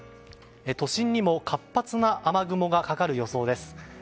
都心にも活発な雨雲がかかる予想です。